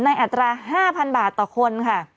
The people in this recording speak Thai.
ในแอตรา๕๐๐๐บาทต่อคนค่ะ